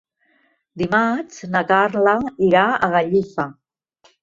Dimarts na Carla irà a Gallifa.